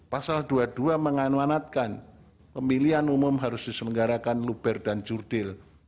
pasal dua puluh dua menganuanatkan pemilihan umum harus diselenggarakan luber dan jurdil